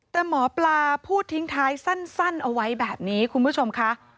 แต่หมอปลาพูดทิ้งท้ายสั้นเอาไว้แบบนี้คุณผู้ชมค่ะ